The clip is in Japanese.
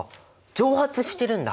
蒸発してるんだ！